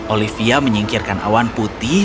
olivia menyingkirkan awan putih